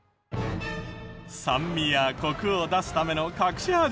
酸味やコクを出すための隠し味。